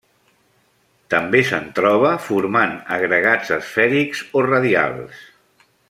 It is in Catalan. També se'n troba formant agregats esfèrics o radials.